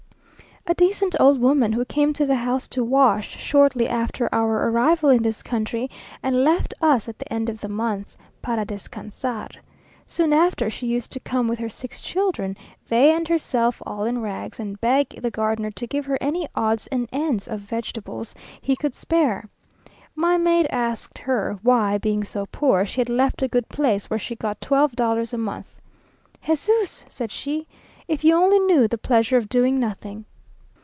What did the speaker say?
A decent old woman, who came to the house to wash shortly after our arrival in this country, and left us at the end of the month, "para descansar." Soon after, she used to come with her six children, they and herself all in rags, and beg the gardener to give her any odds and ends of vegetables he could spare. My maid asked her, why, being so poor, she had left a good place, where she got twelve dollars a month. "Jesús!" said she, "if you only knew the pleasure of doing nothing."